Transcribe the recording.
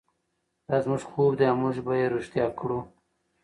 دا زموږ خوب دی او موږ به یې ریښتیا کړو.